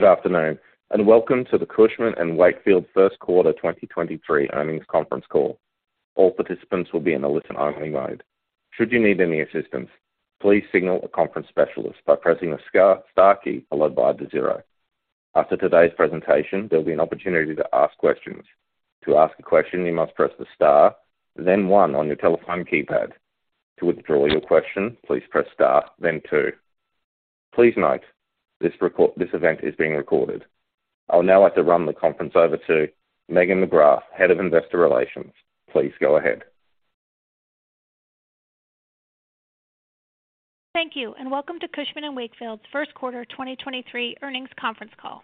Good afternoon, and welcome to the Cushman & Wakefield Q1 2023 Earnings Conference Call. All participants will be in a listen-only mode. Should you need any assistance, please signal a conference specialist by pressing the star key followed by the zero. After today's presentation, there'll be an opportunity to ask questions. To ask a question, you must press the star, then one on your telephone keypad. To withdraw your question, please press star, then two. Please note, this event is being recorded. I would now like to run the conference over to Megan McGrath, Head of Investor Relations. Please go ahead. Thank you, and welcome to Cushman & Wakefield's Q1 2023 earnings conference call.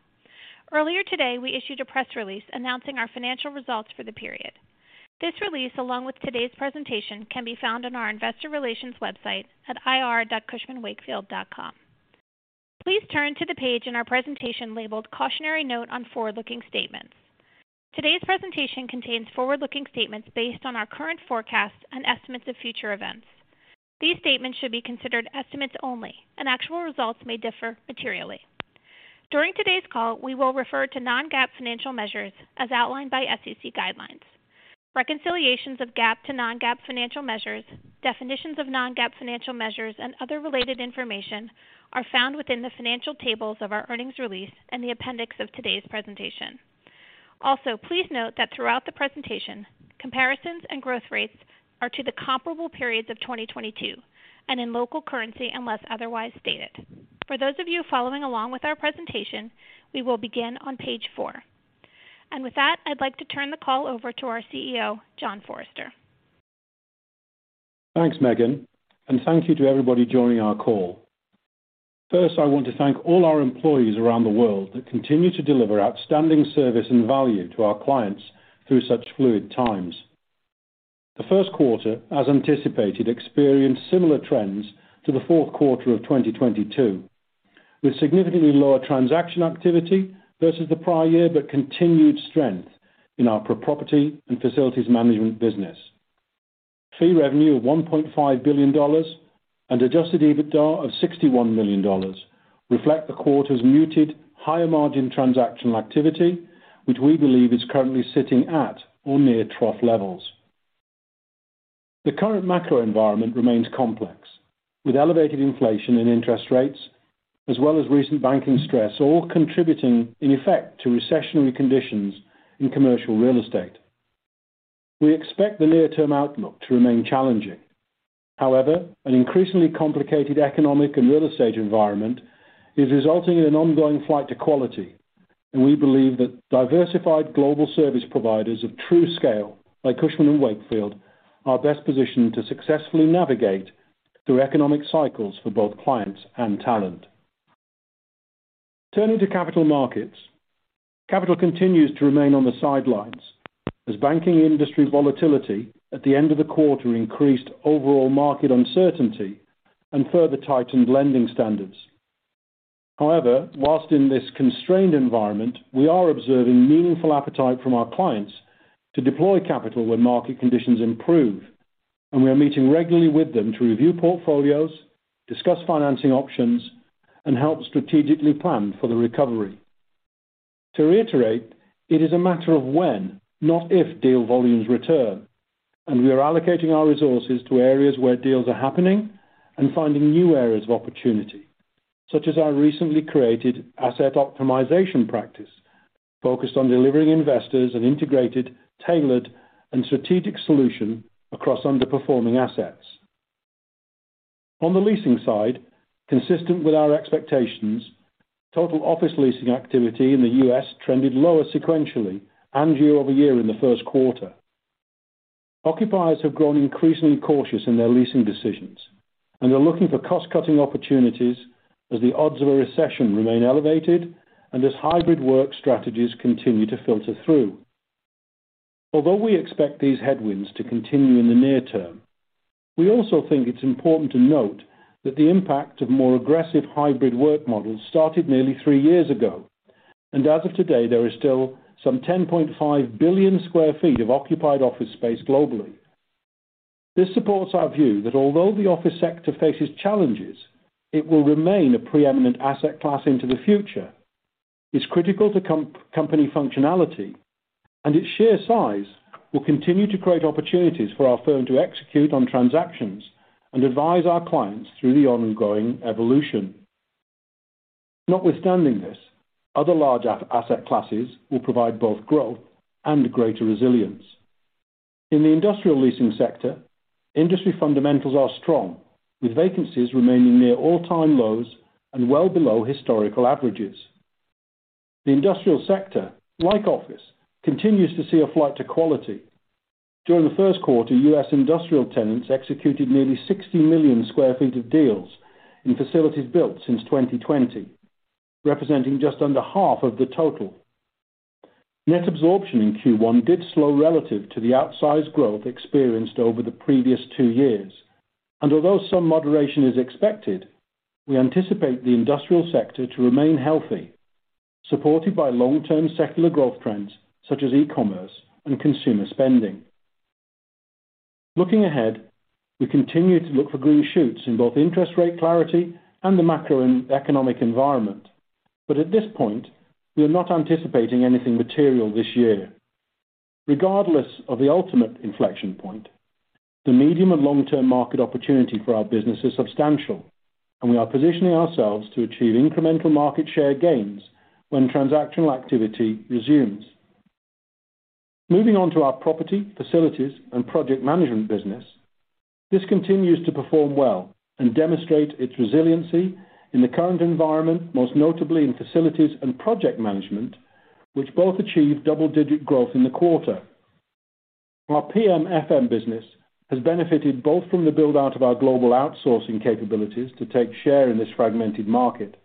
Earlier today, we issued a press release announcing our financial results for the period. This release, along with today's presentation, can be found on our investor relations website at ir.cushmanwakefield.com. Please turn to the page in our presentation labeled Cautionary Note on Forward-Looking Statements. Today's presentation contains forward-looking statements based on our current forecasts and estimates of future events. These statements should be considered estimates only, and actual results may differ materially. During today's call, we will refer to non-GAAP financial measures as outlined by SEC guidelines. Reconciliations of GAAP to non-GAAP financial measures, definitions of non-GAAP financial measures, and other related information are found within the financial tables of our earnings release in the appendix of today's presentation. Please note that throughout the presentation, comparisons and growth rates are to the comparable periods of 2022 and in local currency, unless otherwise stated. For those of you following along with our presentation, we will begin on page four. With that, I'd like to turn the call over to our Chief Executive Officer, John Forrester. Thanks, Megan, and thank you to everybody joining our call. First, I want to thank all our employees around the world that continue to deliver outstanding service and value to our clients through such fluid times. The Q1, as anticipated, experienced similar trends to the Q4 of 2022, with significantly lower transaction activity versus the prior year, but continued strength in our property and facilities management business. Fee revenue of $1.5 billion and Adjusted EBITDA of $61 million reflect the quarter's muted higher margin transactional activity, which we believe is currently sitting at or near trough levels. The current macro environment remains complex, with elevated inflation and interest rates, as well as recent banking stress, all contributing in effect to recessionary conditions in commercial real estate. We expect the near term outlook to remain challenging. An increasingly complicated economic and real estate environment is resulting in an ongoing flight to quality, and we believe that diversified global service providers of true scale, like Cushman & Wakefield, are best positioned to successfully navigate through economic cycles for both clients and talent. Turning to capital markets. Capital continues to remain on the sidelines as banking industry volatility at the end of the quarter increased overall market uncertainty and further tightened lending standards. Whilst in this constrained environment, we are observing meaningful appetite from our clients to deploy capital when market conditions improve, and we are meeting regularly with them to review portfolios, discuss financing options, and help strategically plan for the recovery. To reiterate, it is a matter of when, not if, deal volumes return, and we are allocating our resources to areas where deals are happening and finding new areas of opportunity, such as our recently created asset optimization practice focused on delivering investors an integrated, tailored, and strategic solution across underperforming assets. On the leasing side, consistent with our expectations, total office leasing activity in the U.S. trended lower sequentially and year-over-year in the Q1. Occupiers have grown increasingly cautious in their leasing decisions and are looking for cost-cutting opportunities as the odds of a recession remain elevated and as hybrid work strategies continue to filter through. Although we expect these headwinds to continue in the near term, we also think it's important to note that the impact of more aggressive hybrid work models started nearly three years ago, and as of today, there is still some 10.5 billion sq ft of occupied office space globally. This supports our view that although the office sector faces challenges, it will remain a preeminent asset class into the future. It's critical to company functionality, and its sheer size will continue to create opportunities for our firm to execute on transactions and advise our clients through the ongoing evolution. Notwithstanding this, other large asset classes will provide both growth and greater resilience. In the industrial leasing sector, industry fundamentals are strong, with vacancies remaining near all-time lows and well below historical averages. The industrial sector, like office, continues to see a flight to quality. During the Q1, U.S. industrial tenants executed nearly 60 million sq ft of deals in facilities built since 2020, representing just under half of the total. Net absorption in Q1 did slow relative to the outsized growth experienced over the previous two years. Although some moderation is expected, we anticipate the industrial sector to remain healthy, supported by long-term secular growth trends such as e-commerce and consumer spending. Looking ahead, we continue to look for green shoots in both interest rate clarity and the macroeconomic environment. At this point, we are not anticipating anything material this year. Regardless of the ultimate inflection point, the medium and long-term market opportunity for our business is substantial, and we are positioning ourselves to achieve incremental market share gains when transactional activity resumes. Moving on to our property, facilities and project management business. This continues to perform well and demonstrate its resiliency in the current environment, most notably in facilities and project management, which both achieved double-digit growth in the quarter. Our PMFM business has benefited both from the build-out of our global outsourcing capabilities to take share in this fragmented market,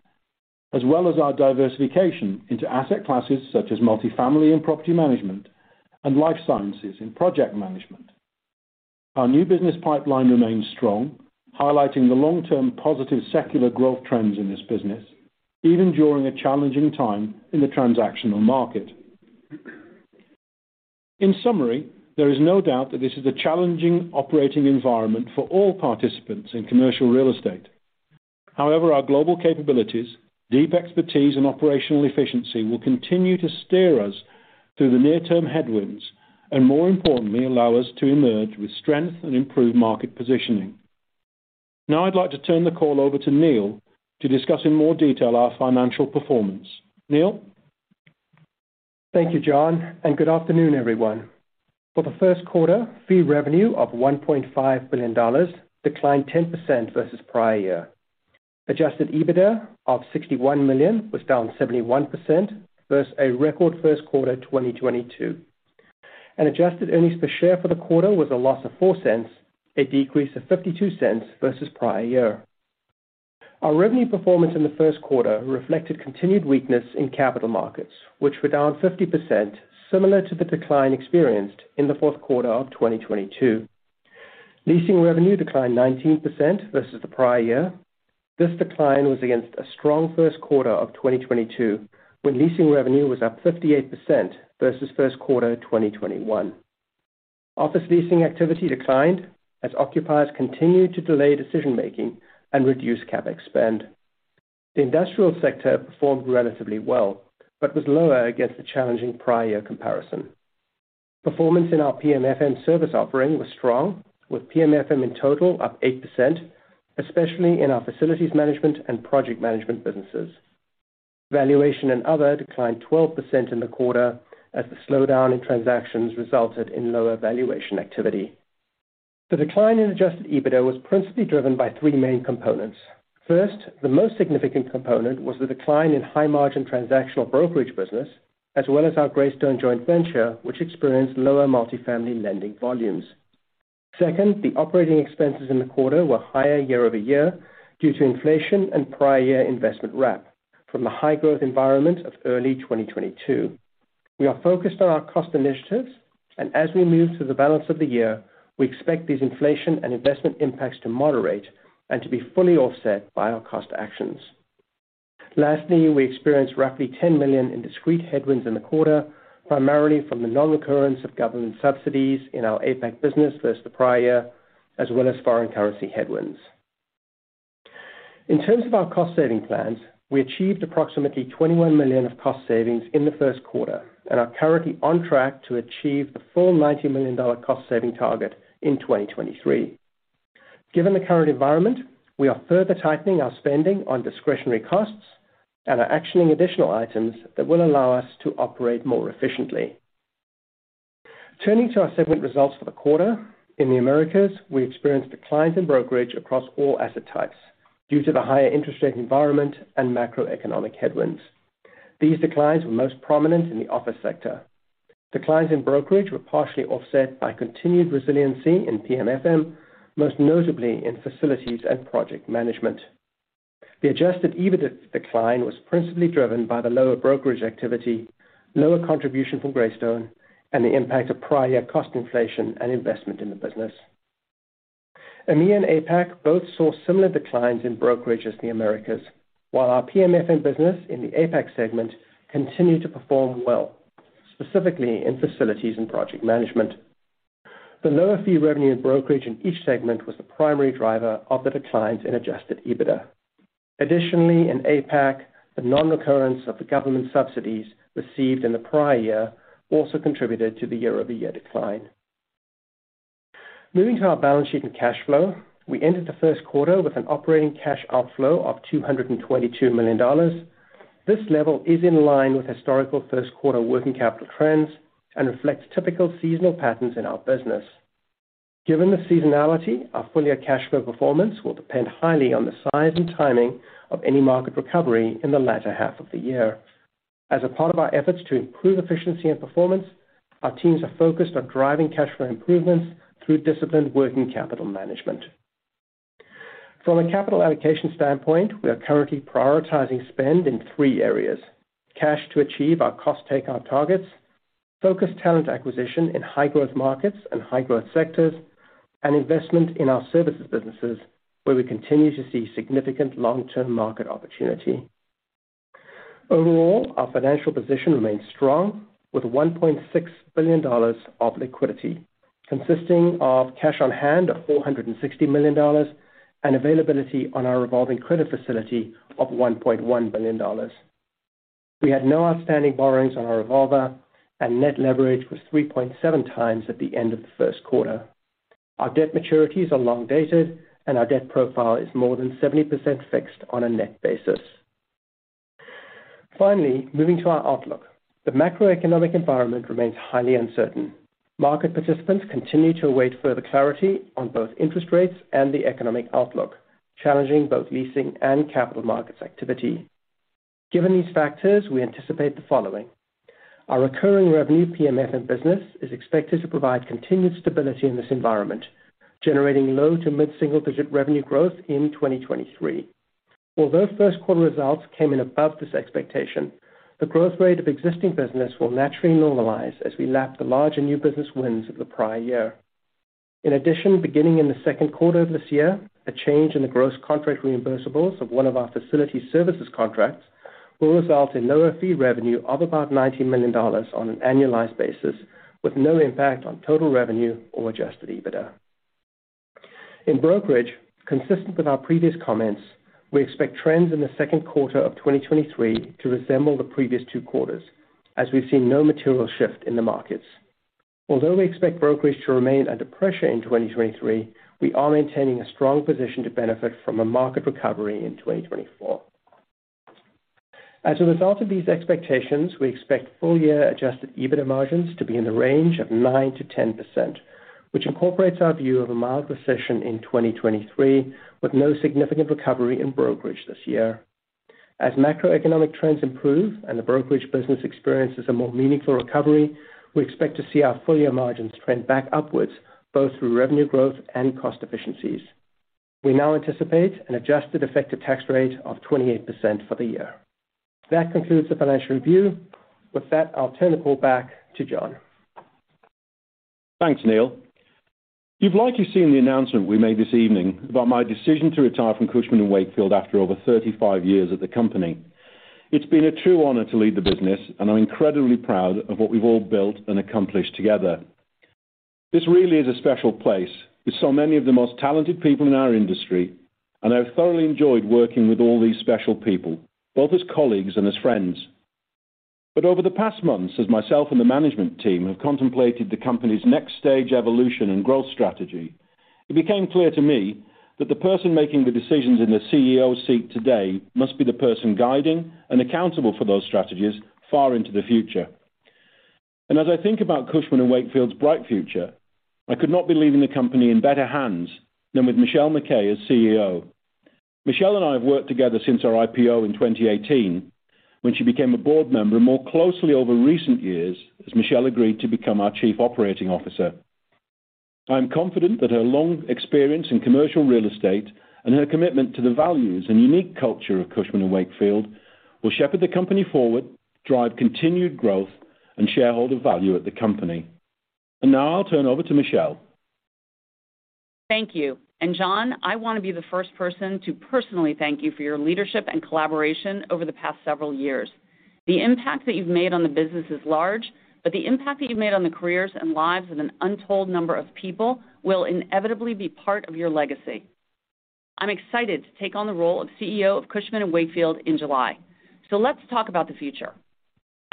as well as our diversification into asset classes such as multifamily and property management and life sciences in project management. Our new business pipeline remains strong, highlighting the long-term positive secular growth trends in this business, even during a challenging time in the transactional market. In summary, there is no doubt that this is a challenging operating environment for all participants in commercial real estate. However, our global capabilities, deep expertise and operational efficiency will continue to steer us through the near term headwinds and, more importantly, allow us to emerge with strength and improved market positioning. Now I'd like to turn the call over to Neil to discuss in more detail our financial performance. Neil. Thank you, John. Good afternoon, everyone. For the Q1, fee revenue of $1.5 billion declined 10% versus prior year. Adjusted EBITDA of $61 million was down 71% versus a record Q1 2022. Adjusted earnings per share for the quarter was a loss of $0.04, a decrease of $0.52 versus prior year. Our revenue performance in the Q1 reflected continued weakness in capital markets, which were down 50%, similar to the decline experienced in the Q4 of 2022. Leasing revenue declined 19% versus the prior year. This decline was against a strong Q1 of 2022, when leasing revenue was up 58% versus Q1 2021. Office leasing activity declined as occupiers continued to delay decision making and reduce CapEx spend. The industrial sector performed relatively well, but was lower against the challenging prior year comparison. Performance in our PMFM service offering was strong, with PMFM in total up 8%, especially in our facilities management and project management businesses. Valuation and other declined 12% in the quarter as the slowdown in transactions resulted in lower valuation activity. The decline in Adjusted EBITDA was principally driven by three main components. First, the most significant component was the decline in high-margin transactional brokerage business, as well as our Greystone joint venture, which experienced lower multifamily lending volumes. Second, the operating expenses in the quarter were higher year-over-year due to inflation and prior year investment wrap from the high growth environment of early 2022. We are focused on our cost initiatives and as we move through the balance of the year, we expect these inflation and investment impacts to moderate and to be fully offset by our cost actions. Lastly, we experienced roughly $10 million in discrete headwinds in the quarter, primarily from the non-occurrence of government subsidies in our APAC business versus the prior year, as well as foreign currency headwinds. In terms of our cost saving plans, we achieved approximately $21 million of cost savings in the Q1 and are currently on track to achieve the full $90 million cost saving target in 2023. Given the current environment, we are further tightening our spending on discretionary costs and are actioning additional items that will allow us to operate more efficiently. Turning to our segment results for the quarter. In the Americas, we experienced declines in brokerage across all asset types due to the higher interest rate environment and macroeconomic headwinds. These declines were most prominent in the office sector. Declines in brokerage were partially offset by continued resiliency in PMFM, most notably in facilities and project management. The adjusted EBIT decline was principally driven by the lower brokerage activity, lower contribution from Greystone, and the impact of prior year cost inflation and investment in the business. EMEA and APAC both saw similar declines in brokerage as the Americas, while our PMFM business in the APAC segment continued to perform well, specifically in facilities and project management. The lower fee revenue in brokerage in each segment was the primary driver of the declines in adjusted EBITDA. Additionally, in APAC, the non-recurrence of the government subsidies received in the prior year also contributed to the year-over-year decline. Moving to our balance sheet and cash flow. We entered the Q1 with an operating cash outflow of $222 million. This level is in line with historical Q1 working capital trends and reflects typical seasonal patterns in our business. Given the seasonality, our full year cash flow performance will depend highly on the size and timing of any market recovery in the latter half of the year. As a part of our efforts to improve efficiency and performance, our teams are focused on driving cash flow improvements through disciplined working capital management. From a capital allocation standpoint, we are currently prioritizing spend in three areas. Cash to achieve our cost takeout targets, focused talent acquisition in high growth markets and high growth sectors, and investment in our services businesses where we continue to see significant long-term market opportunity. Overall, our financial position remains strong with $1.6 billion of liquidity, consisting of cash on hand of $460 million and availability on our revolving credit facility of $1.1 billion. We had no outstanding borrowings on our revolver and net leverage was 3.7x at the end of the Q1. Our debt maturities are long-dated and our debt profile is more than 70% fixed on a net basis. Finally, moving to our outlook. The macroeconomic environment remains highly uncertain. Market participants continue to await further clarity on both interest rates and the economic outlook, challenging both leasing and capital markets activity. Given these factors, we anticipate the following. Our recurring revenue PMF and business is expected to provide continued stability in this environment, generating low to mid-single-digit revenue growth in 2023. Although Q1 results came in above this expectation, the growth rate of existing business will naturally normalize as we lap the larger new business wins of the prior year. In addition, beginning in the Q2 of this year, a change in the gross contract reimbursables of one of our facility services contracts will result in lower fee revenue of about $90 million on an annualized basis, with no impact on total revenue or Adjusted EBITDA. In brokerage, consistent with our previous comments, we expect trends in the Q2 of 2023 to resemble the previous two quarters as we've seen no material shift in the markets. Although we expect brokerage to remain under pressure in 2023, we are maintaining a strong position to benefit from a market recovery in 2024. As a result of these expectations, we expect full year Adjusted EBITDA margins to be in the range of 9%-10%, which incorporates our view of a mild recession in 2023 with no significant recovery in brokerage this year. As macroeconomic trends improve and the brokerage business experiences a more meaningful recovery, we expect to see our full year margins trend back upwards both through revenue growth and cost efficiencies. We now anticipate an adjusted effective tax rate of 28% for the year. That concludes the financial review. With that, I'll turn the call back to John. Thanks, Neil. You've likely seen the announcement we made this evening about my decision to retire from Cushman & Wakefield after over 35 years at the company. It's been a true honor to lead the business. I'm incredibly proud of what we've all built and accomplished together. This really is a special place with so many of the most talented people in our industry. I've thoroughly enjoyed working with all these special people, both as colleagues and as friends. Over the past months, as myself and the management team have contemplated the company's next stage evolution and growth strategy, it became clear to me that the person making the decisions in the Chief Executive Officer seat today must be the person guiding and accountable for those strategies far into the future. As I think about Cushman & Wakefield's bright future, I could not be leaving the company in better hands than with Michelle MacKay as Chief Executive Officer. Michelle and I have worked together since our IPO in 2018 when she became a board member more closely over recent years as Michelle agreed to become our Chief Operating Officer. I am confident that her long experience in commercial real estate and her commitment to the values and unique culture of Cushman & Wakefield will shepherd the company forward, drive continued growth and shareholder value at the company. Now I'll turn over to Michelle. Thank you. John, I want to be the first person to personally thank you for your leadership and collaboration over the past several years. The impact that you've made on the business is large, but the impact that you've made on the careers and lives of an untold number of people will inevitably be part of your legacy. I'm excited to take on the role of Chief Executive Officer of Cushman & Wakefield in July. Let's talk about the future.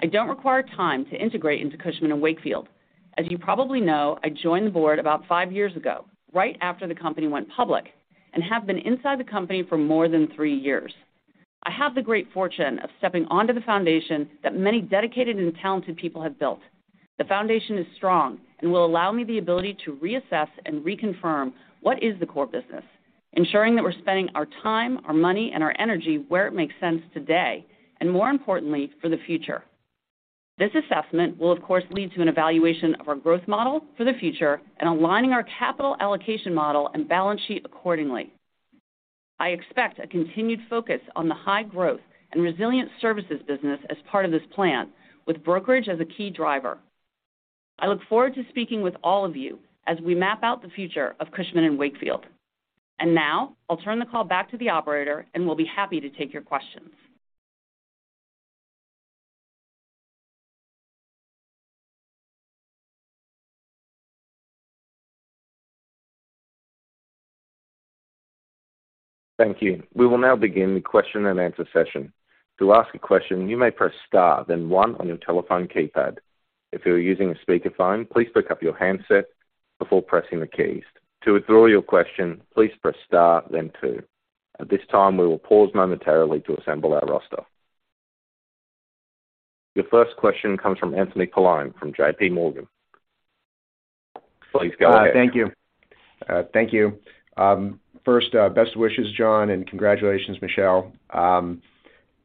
I don't require time to integrate into Cushman & Wakefield. As you probably know, I joined the board about five years ago, right after the company went public, and have been inside the company for more than three years. I have the great fortune of stepping onto the foundation that many dedicated and talented people have built. The foundation is strong and will allow me the ability to reassess and reconfirm what is the core business, ensuring that we're spending our time, our money and our energy where it makes sense today, and more importantly, for the future. This assessment will of course, lead to an evaluation of our growth model for the future and aligning our capital allocation model and balance sheet accordingly. I expect a continued focus on the high growth and resilient services business as part of this plan, with brokerage as a key driver. I look forward to speaking with all of you as we map out the future of Cushman & Wakefield. Now I'll turn the call back to the operator, and we'll be happy to take your questions. Thank you. We will now begin the Q&A session. To ask a question, you may press star then one on your telephone keypad. If you are using a speakerphone, please pick up your handset before pressing the keys. To withdraw your question, please press star then two. At this time, we will pause momentarily to assemble our roster. Your first question comes from Anthony Paolone from JPMorgan. Please go ahead. Thank you. Thank you. First, best wishes, John, and congratulations, Michelle.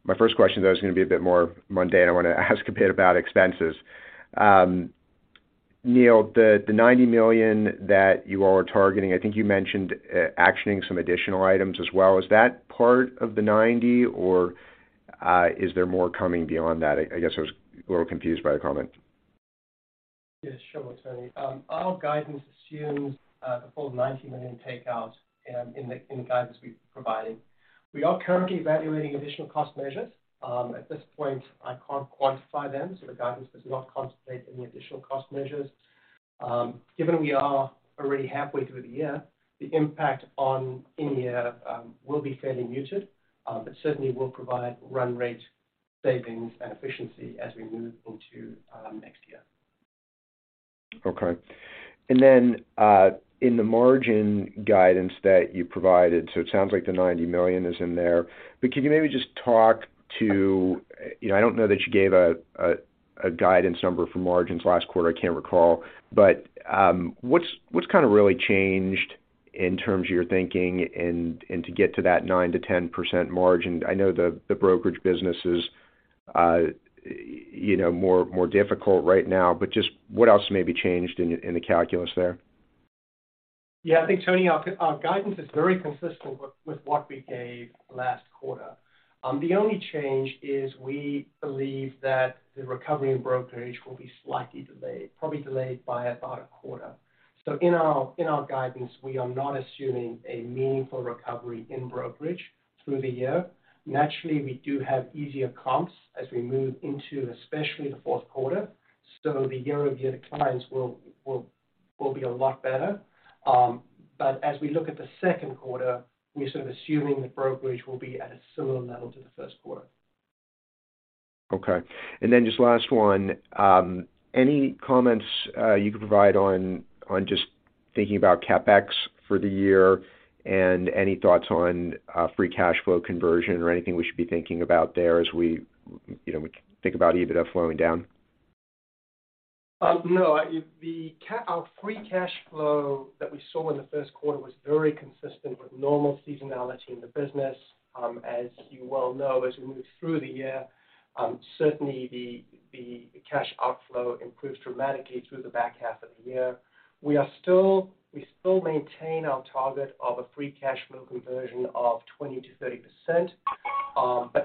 My first question, though, is going to be a bit more mundane. I want to ask a bit about expenses. Neil, the $90 million that you all are targeting, I think you mentioned, actioning some additional items as well. Is that part of the $90 million or is there more coming beyond that? I guess I was a little confused by the comment. Yes, sure, Tony. Our guidance assumes the full $90 million takeout in the guidance we've provided. We are currently evaluating additional cost measures. At this point, I can't quantify them, so the guidance does not contemplate any additional cost measures. Given we are already halfway through the year, the impact on any year will be fairly muted, but certainly will provide run rate savings and efficiency as we move into next year. Okay. Then, in the margin guidance that you provided, so it sounds like the $90 million is in there. Could you maybe just talk to, you know, I don't know that you gave a guidance number for margins last quarter, I can't recall. What's kinda really changed in terms of your thinking and to get to that 9%-10% margin? I know the brokerage business is, you know, more difficult right now, just what else may be changed in the calculus there? Yeah, I think, Tony, our guidance is very consistent with what we gave last quarter. The only change is we believe that the recovery in brokerage will be slightly delayed, probably delayed by about a quarter. In our guidance, we are not assuming a meaningful recovery in brokerage through the year. Naturally, we do have easier comps as we move into, especially the Q4. The year-over-year declines will be a lot better. As we look at the Q2, we're sort of assuming that brokerage will be at a similar level to the Q1. Okay. Then just last one. Any comments you could provide on just thinking about CapEx for the year and any thoughts on free cash flow conversion or anything we should be thinking about there as we, you know, we think about EBITDA flowing down? No. Our free cash flow that we saw in the Q1 was very consistent with normal seasonality in the business. As you well know, as we move through the year, certainly the cash outflow improves dramatically through the back half of the year. We still maintain our target of a free cash flow conversion of 20%-30%.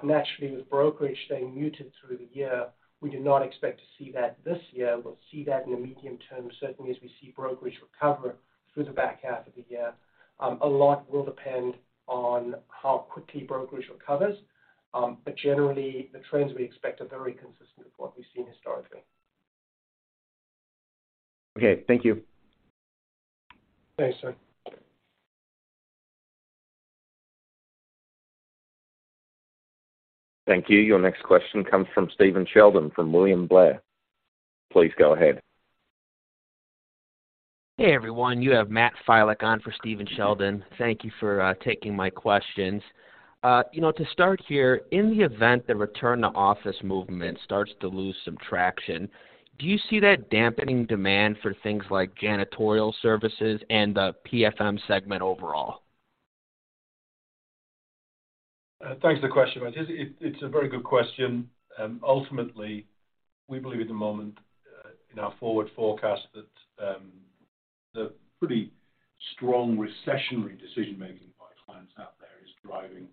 Naturally, with brokerage staying muted through the year, we do not expect to see that this year. We'll see that in the medium term, certainly as we see brokerage recover through the back half of the year. A lot will depend on how quickly brokerage recovers. Generally, the trends we expect are very consistent with what we've seen historically. Okay. Thank you. Thanks, Tony. Thank you. Your next question comes from Stephen Sheldon from William Blair. Please go ahead. Hey, everyone. You have Matt Filek on for Stephen Sheldon. Thank you for taking my questions. You know, to start here, in the event the return to office movement starts to lose some traction, do you see that dampening demand for things like janitorial services and the PFM segment overall? Thanks for the question, Matt. It's a very good question. Ultimately, we believe at the moment, in our forward forecast that the pretty strong recessionary decision-making by clients out there is driving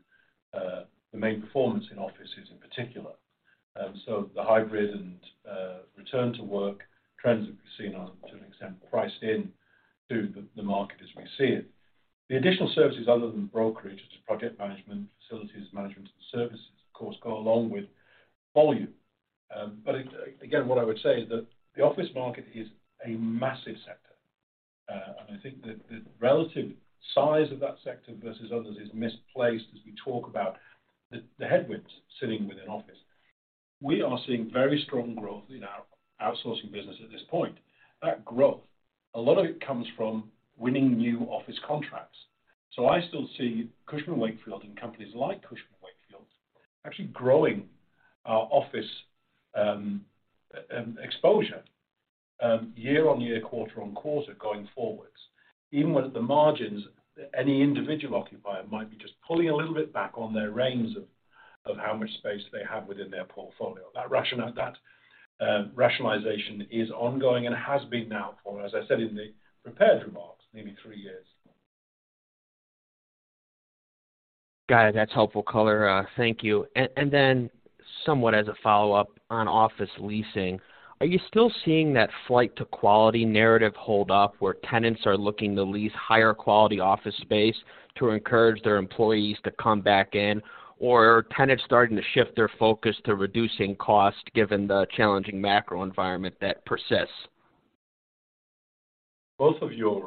the main performance in offices in particular. The hybrid and return to work trends that we've seen are to an extent priced in to the market as we see it. The additional services other than brokerage, such as project management, facilities management and services, of course, go along with volume. Again, what I would say is that the office market is a massive sector. I think that the relative size of that sector versus others is misplaced as we talk about the headwinds sitting within office. We are seeing very strong growth in our outsourcing business at this point. That growth, a lot of it comes from winning new office contracts. I still see Cushman & Wakefield and companies like Cushman & Wakefield actually growing our office exposure year-on-year, quarter-on-quarter going forwards. Even with the margins, any individual occupier might be just pulling a little bit back on their reins of how much space they have within their portfolio. That rationalization is ongoing and has been now for, as I said in the prepared remarks, nearly three years. Got it. That's helpful color. Thank you. Somewhat as a follow-up on office leasing, are you still seeing that flight to quality narrative hold up where tenants are looking to lease higher quality office space to encourage their employees to come back in? Are tenants starting to shift their focus to reducing cost given the challenging macro environment that persists? Both of your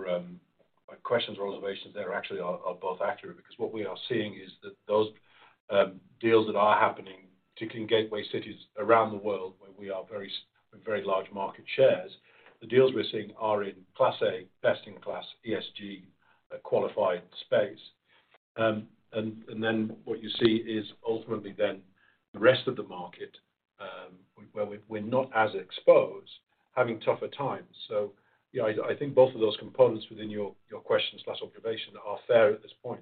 questions or observations there actually are both accurate because what we are seeing is that those deals that are happening, particularly in gateway cities around the world where we are very large market shares, the deals we're seeing are in Class A, best in class, ESG qualified space. Then what you see is ultimately then the rest of the market where we're not as exposed, having tougher times. Yeah, I think both of those components within your questions, last observation are fair at this point.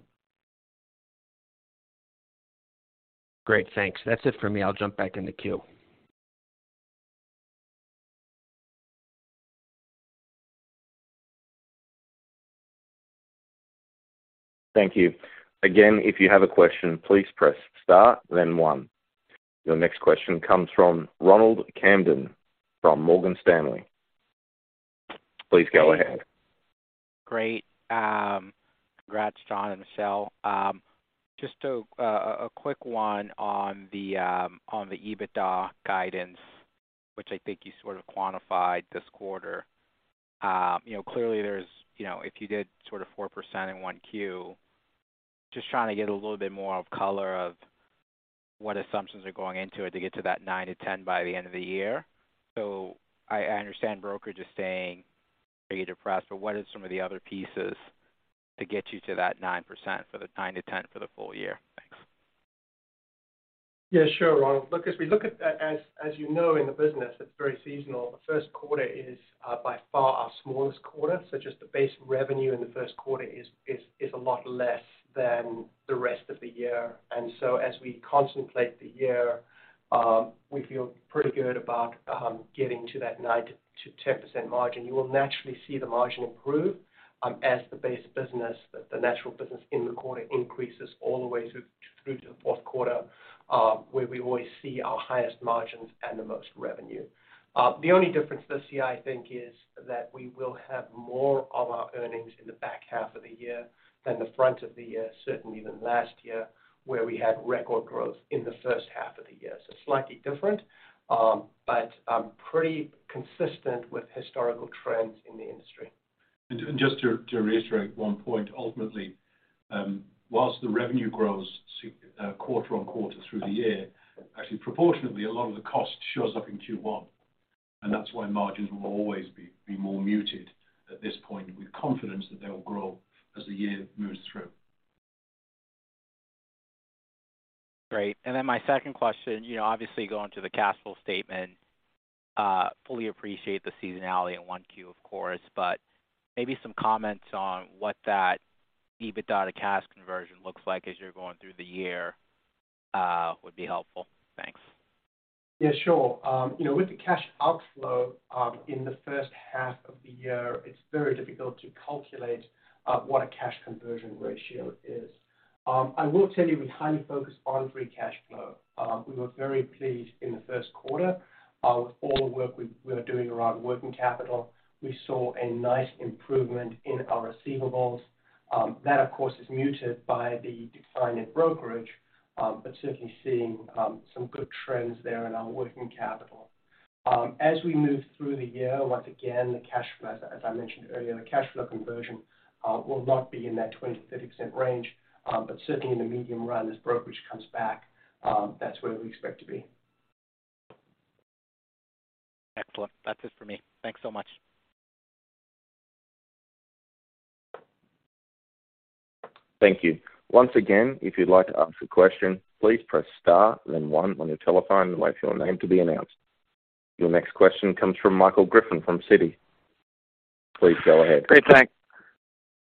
Great. Thanks. That's it for me. I'll jump back in the queue. Thank you. Again, if you have a question, please press star then one. Your next question comes from Ronald Kamdem from Morgan Stanley. Please go ahead. Great. Congrats, John and Michelle. Just a quick one on the on the EBITDA guidance, which I think you sort of quantified this quarter. You know, clearly there's, you know, if you did sort of 4% in 1Q, just trying to get a little bit more of color of what assumptions are going into it to get to that 9-10% by the end of the year. I understand brokerage is staying pretty depressed, but what is some of the other pieces to get you to that 9% for the 9%-10% for the full year? Thanks. Yeah, sure, Ronald. Look, as we look at that, as you know, in the business, it's very seasonal. The Q1 is by far our smallest quarter. Just the base revenue in the Q1 is a lot less than the rest of the year. As we contemplate the year, we feel pretty good about getting to that 9%-10% margin. You will naturally see the margin improve as the base business, the natural business in the quarter increases all the way through to the Q4, where we always see our highest margins and the most revenue. The only difference this year, I think, is that we will have more of our earnings in the back half of the year than the front of the year, certainly than last year, where we had record growth in the first half of the year. Slightly different, but pretty consistent with historical trends in the industry. Just to reiterate one point, ultimately, whilst the revenue grows quarter on quarter through the year, actually proportionately, a lot of the cost shows up in Q1, and that's why margins will always be more muted at this point with confidence that they'll grow as the year moves through. Great. Then my second question, you know, obviously going to the cash flow statement, fully appreciate the seasonality in Q1, of course, but maybe some comments on what that EBITDA to cash conversion looks like as you're going through the year, would be helpful. Thanks. Yeah, sure. You know, with the cash outflow, in the first half of the year, it's very difficult to calculate what a cash conversion ratio is. I will tell you we're highly focused on free cash flow. We were very pleased in the Q1 of all the work we are doing around working capital. We saw a nice improvement in our receivables. That, of course, is muted by the decline in brokerage, certainly seeing some good trends there in our working capital. As we move through the year, once again, the cash flow, as I mentioned earlier, the cash flow conversion, will not be in that 20%-30% range, certainly in the medium run, as brokerage comes back, that's where we expect to be. Excellent. That's it for me. Thanks so much. Thank you. Once again, if you'd like to ask a question, please press star then 1 on your telephone and wait for your name to be announced. Your next question comes from Michael Griffin from Citi. Please go ahead. Great, thanks.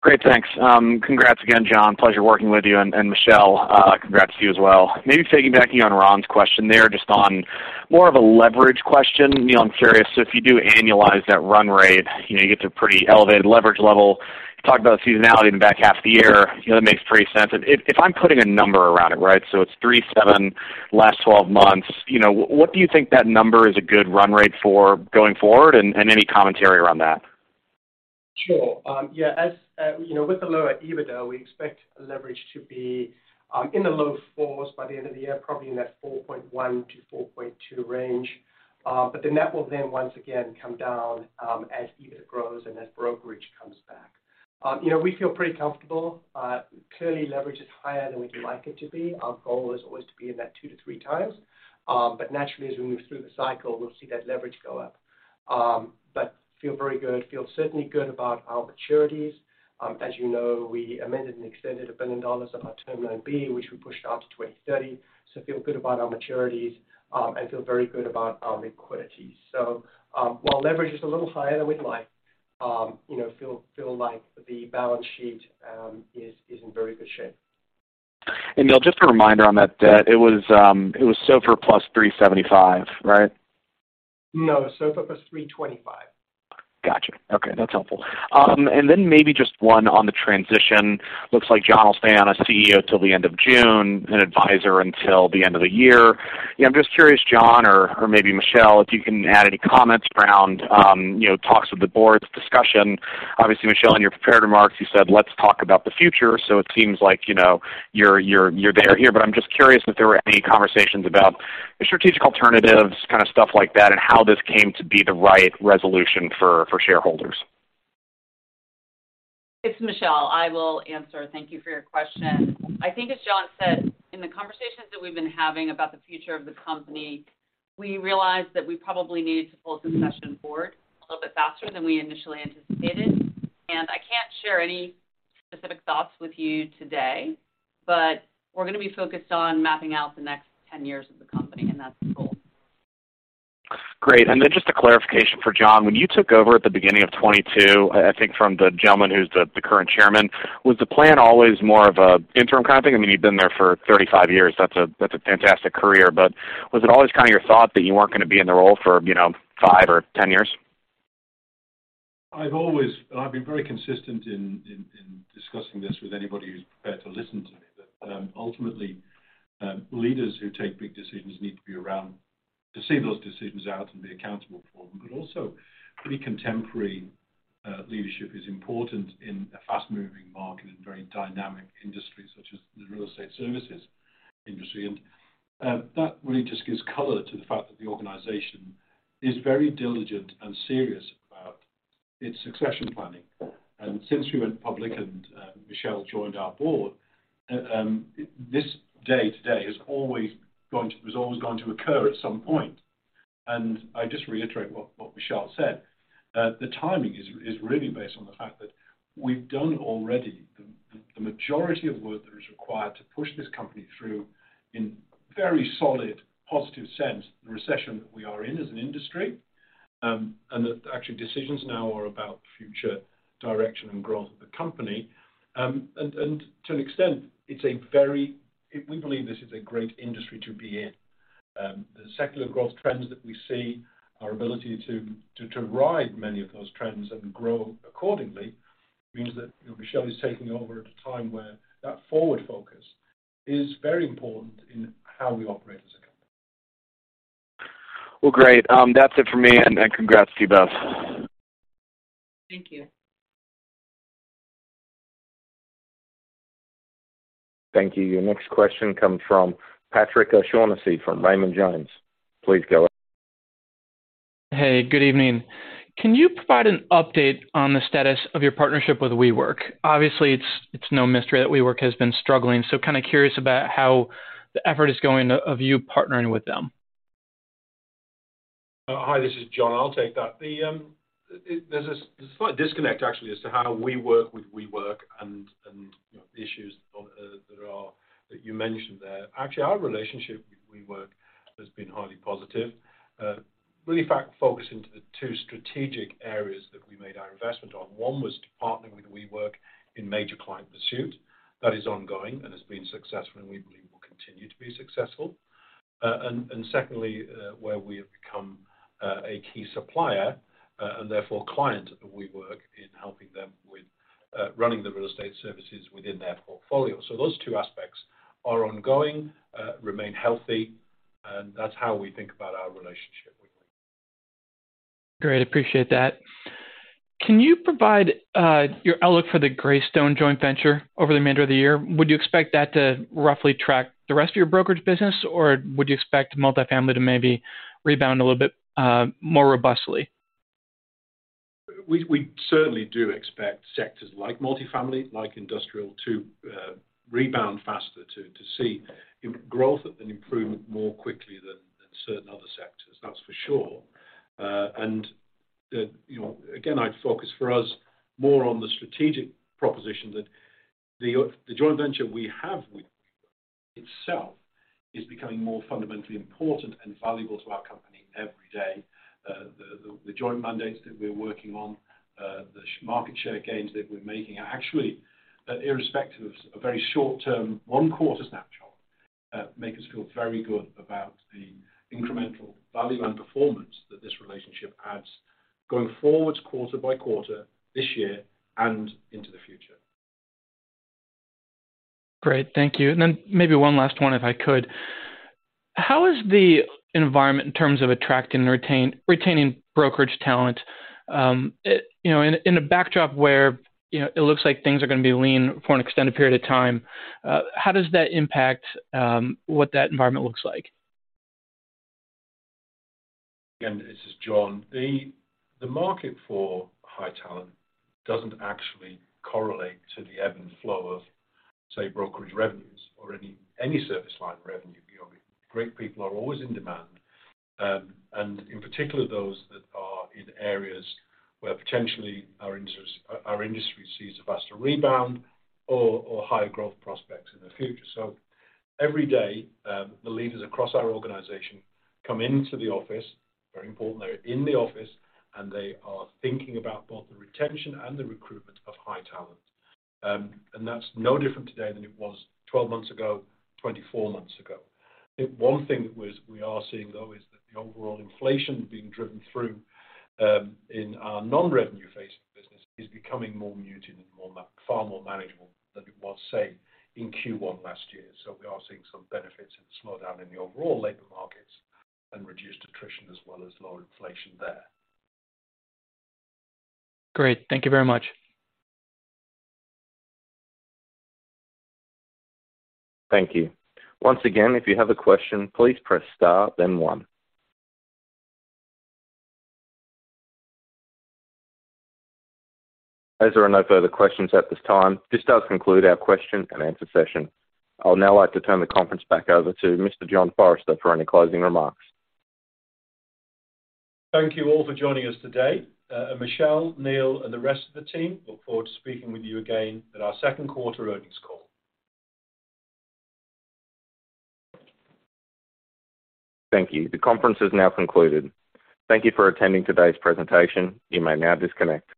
Congrats again, John Forrester. Pleasure working with you. Michelle MacKay, congrats to you as well. Maybe piggybacking on Ronald Kamdem's question there, just on more of a leverage question. You know, I'm curious if you do annualize that run rate, you know, you get to pretty elevated leverage level. Talk about seasonality in the back half of the year. You know, that makes pretty sense. If I'm putting a number around it, right? So it's 3.7x last 12 months. You know, what do you think that number is a good run rate for going forward and any commentary around that? Sure. As, you know, with the lower EBITDA, we expect leverage to be in the low fours by the end of the year, probably in that 4.1x-4.2x range. The net will then once again come down as EBITDA grows and as brokerage comes back. You know, we feel pretty comfortable. Clearly leverage is higher than we'd like it to be. Our goal is always to be in that 2x-3x. Naturally, as we move through the cycle, we'll see that leverage go up. Feel very good. Feel certainly good about our maturities. As you know, we amended and extended $1 billion of our Term Loan B, which we pushed out to 2030. Feel good about our maturities, and feel very good about our liquidity. While leverage is a little higher than we'd like, you know, feel like the balance sheet is in very good shape. Neil, just a reminder on that debt. It was SOFR + 375, right? No, SOFR + 3.25. Got you. Okay, that's helpful. Maybe just one on the transition. Looks like John will stay on as Chief Executive Officer until the end of June and advisor until the end of the year. You know, I'm just curious, John, or maybe Michelle, if you can add any comments around, you know, talks with the board, discussion. Obviously, Michelle, in your prepared remarks, you said, "Let's talk about the future." It seems like, you know, you're there here. I'm just curious if there were any conversations about strategic alternatives, kind of stuff like that, and how this came to be the right resolution for shareholders. It's Michelle. I will answer. Thank you for your question. I think as John said, in the conversations that we've been having about the future of the company, we realized that we probably needed to pull the session forward a little bit faster than we initially anticipated. I can't share any specific thoughts with you today, but we're gonna be focused on mapping out the next 10 years of the company, and that's the goal. Great. Just a clarification for John. When you took over at the beginning of 2022, I think from the gentleman who's the current chairman, was the plan always more of a interim kind of thing? I mean, you've been there for 35 years. That's a fantastic career. Was it always kind of your thought that you weren't gonna be in the role for, you know, five or 10 years? I've been very consistent in discussing this with anybody who's prepared to listen to me that, ultimately, leaders who take big decisions need to be around to see those decisions out and be accountable for them. Also pretty contemporary, leadership is important in a fast-moving market and very dynamic industry such as the real estate services industry. That really just gives color to the fact that the organization is very diligent and serious about its succession planning. Since we went public and Michelle joined our board, this day today was always going to occur at some point. I just reiterate what Michelle said. The timing is really based on the fact that we've done already the majority of work that is required to push this company through in very solid positive sense, the recession that we are in as an industry, that actually decisions now are about future direction and growth of the company. To an extent, We believe this is a great industry to be in. The secular growth trends that we see, our ability to ride many of those trends and grow accordingly means that, you know, Michelle is taking over at a time where that forward focus is very important in how we operate as a company. Well, great. That's it for me. Congrats to you both. Thank you. Thank you. Your next question comes from Patrick O'Shaughnessy from Raymond James. Please go ahead. Hey, good evening. Can you provide an update on the status of your partnership with WeWork? Obviously, it's no mystery that WeWork has been struggling, kinda curious about how the effort is going of you partnering with them. Hi, this is John. I'll take that. There's a slight disconnect, actually, as to how we work with WeWork and, you know, the issues on, that you mentioned there. Actually, our relationship with WeWork has been highly positive. Really focusing to the two strategic areas that we made our investment on. One was to partner with WeWork in major client pursuit. That is ongoing and has been successful and we believe will continue to be successful. And secondly, where we have become a key supplier, and therefore client of WeWork in helping them with running the real estate services within their portfolio. Those two aspects are ongoing, remain healthy, and that's how we think about our relationship with WeWork. Great. Appreciate that. Can you provide your outlook for the Greystone joint venture over the remainder of the year? Would you expect that to roughly track the rest of your brokerage business, or would you expect multifamily to maybe rebound a little bit more robustly? We certainly do expect sectors like multifamily, like industrial to rebound faster to see growth and improvement more quickly than certain other sectors. That's for sure. You know, again, I'd focus for us more on the strategic proposition that the joint venture we have with WeWork itself is becoming more fundamentally important and valuable to our company every day. The joint mandates that we're working on, the market share gains that we're making are actually irrespective of a very short-term, one quarter snapshot, make us feel very good about the incremental value and performance that this relationship adds going forwards quarter by quarter this year and into the future. Great. Thank you. Maybe one last one, if I could. How is the environment in terms of attracting and retaining brokerage talent? You know, in a backdrop where, you know, it looks like things are gonna be lean for an extended period of time, how does that impact what that environment looks like? Again, this is John. The market for high talent doesn't actually correlate to the ebb and flow of, say, brokerage revenues or any service line revenue. Great people are always in demand, and in particular, those that are in areas where potentially our industry sees a faster rebound or high growth prospects in the future. Every day, the leaders across our organization come into the office, very important they're in the office, and they are thinking about both the retention and the recruitment of high talent. That's no different today than it was 12 months ago, 24 months ago. One thing we are seeing, though, is that the overall inflation being driven through, in our non-revenue facing business is becoming more muted and far more manageable than it was, say, in Q1 last year. We are seeing some benefits in the slowdown in the overall labor markets and reduced attrition as well as lower inflation there. Great. Thank you very much. Thank you. Once again, if you have a question, please press star then one. There are no further questions at this time, this does conclude our Q&A session. I'll now like to turn the conference back over to Mr. John Forrester for any closing remarks. Thank you all for joining us today. Michelle, Neil, and the rest of the team look forward to speaking with you again at our Q2 earnings call. Thank you. The conference is now concluded. Thank you for attending today's presentation. You may now disconnect.